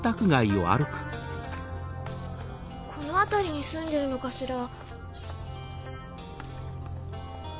この辺りに住んでるのかしら。